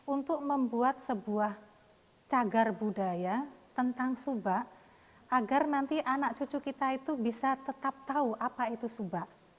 untuk membuat sebuah cagar budaya tentang subak agar nanti anak cucu kita itu bisa tetap tahu apa itu subak